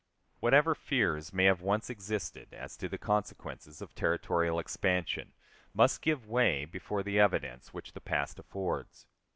Whatever fears may have once existed as to the consequences of territorial expansion must give way before the evidence which the past affords.